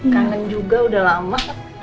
kangen juga udah lama